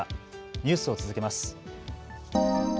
ニュースを続けます。